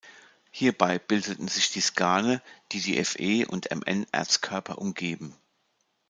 Hierbei bildeten sich die Skarne, die die Fe- und Mn- Erzkörper umgeben.